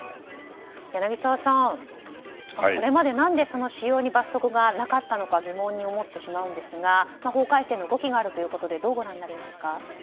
柳澤さん、これまで何で使用に罰則がなかったのか疑問に思ってしまうんですが法改正の動きがあるということでどうご覧になりますか。